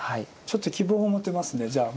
ちょっと希望が持てますねじゃあ。